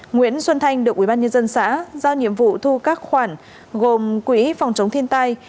nguyễn xuân thanh được ubnd xã giao nhiệm vụ thu các khoản gồm quỹ phòng chống thiên tai